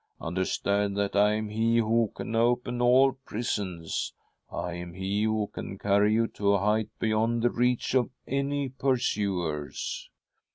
" Understand that I am he who can open all prisons ; I am he who can carry you to a height beyond the reach of any pursuers